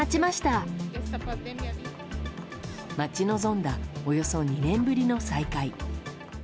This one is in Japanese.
待ち望んだおよそ２年ぶりの再会。